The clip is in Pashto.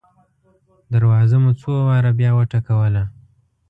دروازه مو څو واره بیا وټکوله.